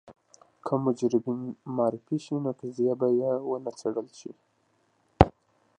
که مجرمین معرفي شي نو قضیه به یې ونه څېړل شي.